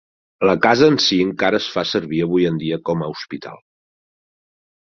La casa en si encara es fa servir avui en dia com a hospital.